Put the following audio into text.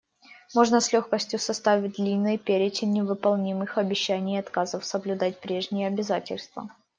Можно с легкостью составить длинный перечень невыполненных обещаний и отказов соблюдать прежние обязательства.